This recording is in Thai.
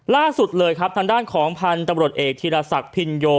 ล่าสุดเลยครับทางด้านของพันธุ์ตำรวจเอกธีรศักดิ์พินโย